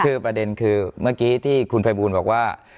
คือประเด็นคือเมื่อกี้ที่คุณภัยบูลบอกว่า